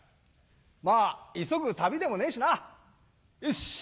まぁ急ぐ旅でもねえしなよし。